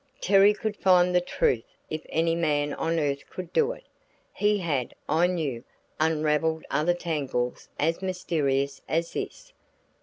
Terry could find the truth if any man on earth could do it. He had, I knew, unraveled other tangles as mysterious as this.